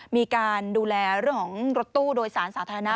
มีการดูแลเรื่องของรถตู้โดยสารสาธารณะ